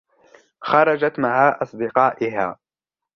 خرجت مع أصدقائها.